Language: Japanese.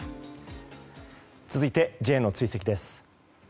続いてＪの追跡です。